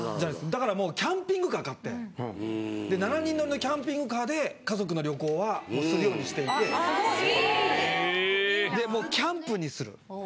だからもうキャンピングカー買って７人乗りのキャンピングカーで家族の旅行はするようにしていてでもうキャンプにする。